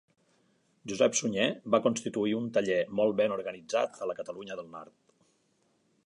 Josep Sunyer va constituir un taller molt ben organitzat a la Catalunya del Nord.